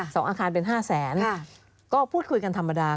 สองอาคารเป็นห้าแสนค่ะก็พูดคุยกันธรรมดา